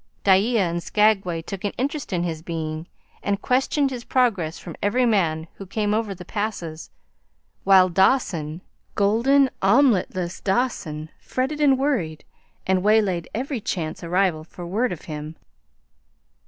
Dyea and Skaguay took an interest in his being, and questioned his progress from every man who came over the passes, while Dawson golden, omeletless Dawson fretted and worried, and way laid every chance arrival for word of him.